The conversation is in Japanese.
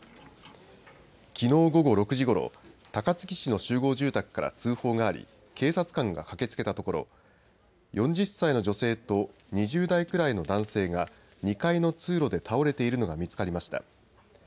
きのう午後６時ごろ、高槻市の集合住宅から通報があり警察官が駆けつけたところ４０歳の女性と２０代くらいの男性が２階の通路で倒れているのが見つかりました。